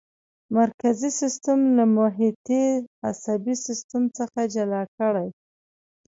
مرکزي سیستم له محیطي عصبي سیستم څخه جلا کړئ.